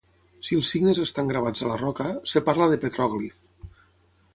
Si els signes estan gravats a la roca, es parla de petròglif.